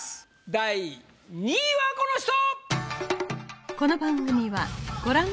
第２位はこの人！